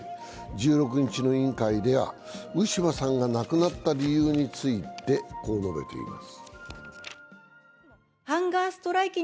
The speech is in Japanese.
１６日の委員会ではウィシュマさんが亡くなった理由についてこう述べています。